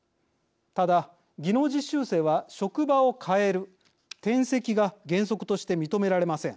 ただ技能実習生は職場を変える転籍が原則として認められません。